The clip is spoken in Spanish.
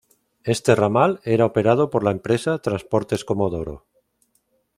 Éste ramal era operado por la empresa Transportes Comodoro.